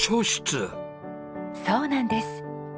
そうなんです。